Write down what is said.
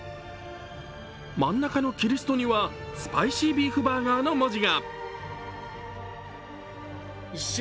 真ん中のキリストには、スパイシービーフバーガーの文字が。